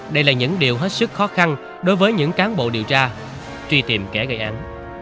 đây là những điều hết sức khó khăn đối với những cán bộ điều tra truy tìm kẻ gây án